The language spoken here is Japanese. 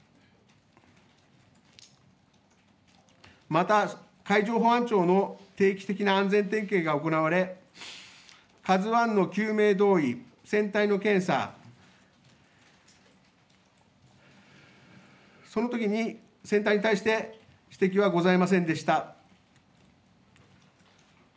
また海上保安庁の定期的な安全点検が行われＫＡＺＵＩの救命胴衣、船体の検査、そのときに船体に対して指摘はございませんでした。